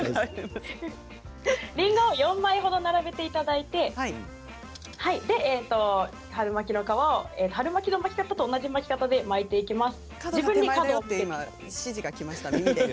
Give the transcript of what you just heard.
りんごを４枚ほど並べていただいて春巻きの皮を春巻きの巻き方と同じ巻き方で巻いていきます。